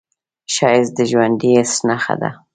ښایست د ژوندي حس نښه ده